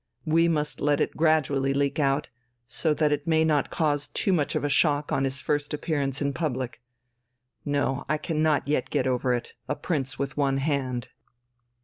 We must let it gradually leak out, so that it may not cause too much of a shock on his first appearance in public. No, I cannot yet get over it. A prince with one hand